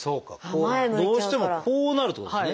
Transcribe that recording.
どうしてもこうなるってことですね。